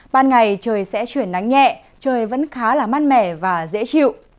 ban ngày trời sẽ chuyển nắng nhẹ trời vẫn khá là mát mẻ và dễ chịu